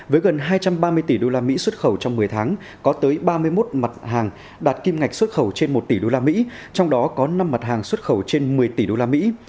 với gần hai trăm ba mươi tỷ usd xuất khẩu trong một mươi tháng có tới ba mươi một mặt hàng đạt kim ngạch xuất khẩu trên một tỷ usd trong đó có năm mặt hàng xuất khẩu trên một mươi tỷ usd